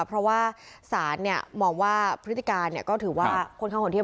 เพราะว่าสารเนี่ยหมอว่าพฤติการเนี่ยก็ถือว่าคนข้างห่วงเที่ยม